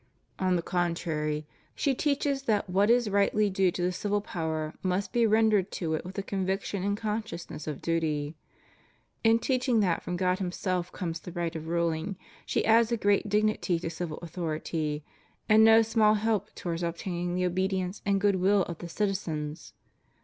On the contrary, she teaches that what is rightly due to the civil power must be rendered to it with a conviction and consciousness of duty. In teaching that from God Himself comes the right of ruling, she adds a great dignity to civil authority, and no small help towards obtaining the obedience and good will of the citizens.